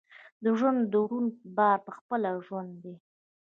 د ژوند دروند بار پخپله ژوند دی.